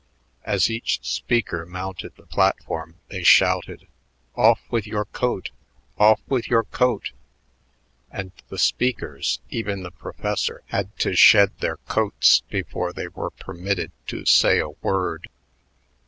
As each speaker mounted the platform they shouted: "Off with your coat! Off with your coat!" And the speakers, even the professor, had to shed their coats before they were permitted to say a word.